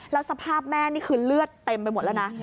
แล้วสภาพแม่นี่คือเลือดเต็มไปหมดแล้วนะ